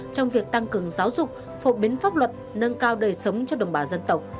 trong việc tăng cường giáo dục phổ biến pháp luật nâng cao đời sống cho đồng bào dân tộc